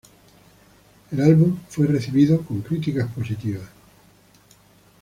El álbum fue recibido con críticas positivas.